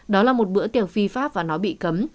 đó là một bữa tiệc phi pháp và nó bị cấm